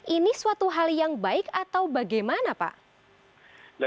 ini suatu hal yang baik atau bagaimana pak